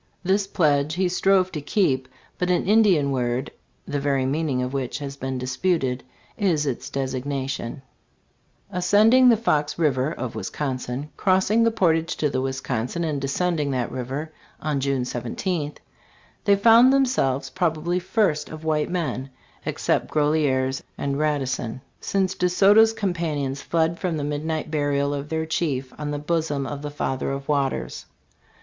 This pledge he strove to keep; but an I Lilian word, the very meaning of which has been disputed, is its desig nation, "* Ascending the Fox river [of Wisconsin], crossing the portage to the Wisconsin and descending that river, on June i7th, they found them selves, probably first of white men [except Groseilliers and Radisson ?] since DeSoto's companions fled from the midnight burial of their chief, on the bosom of the Father of Waters.